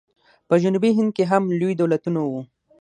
په جنوبي هند کې هم لوی دولتونه وو.